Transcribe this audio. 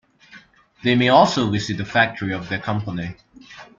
They may also visit the factory of their company.